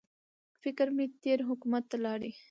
فکر مې تېر حکومت ته ولاړی.